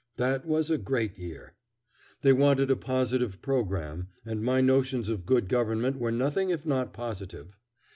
That was a great year. They wanted a positive programme, and my notions of good government were nothing if not positive.